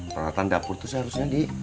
peralatan dapur tuh seharusnya dik